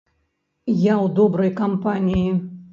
Я ў добрай кампаніі.